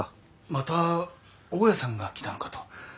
また大家さんが来たのかと。